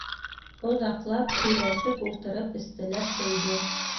Оҙаҡлап һөйләшеп ултырып эстеләр сәйҙе.